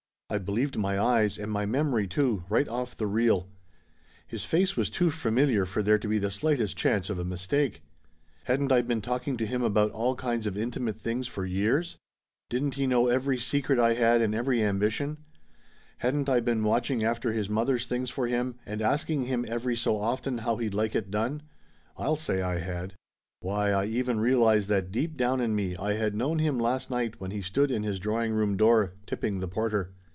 I believed my eyes, and my memory, too, right off the reel. His face was too familiar for there to be the slightest chance of a mistake. Hadn't I been talk ing to him about all kinds of intimate things for years ? Didn't he know every secret I had, and every ambi tion? Hadn't I been watching after his mother's things for him and asking him every so often how he'd like it done? I'll say I had! Why, I even realized that deep down in me I had known him last night when he stood in his drawing room door, tip ping the porter.